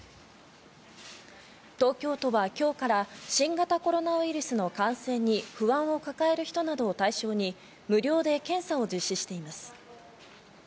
東京都は今日から、新型コロナウイルスの感染に不安を抱える人などを対象に無料で検査を実施しています。